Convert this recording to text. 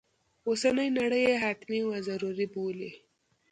اوسنی نړی یې حتمي و ضروري بولي.